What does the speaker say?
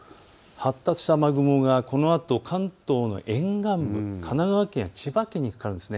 発達した雨雲がこのあと関東の沿岸部、神奈川県や千葉県にかかるんです。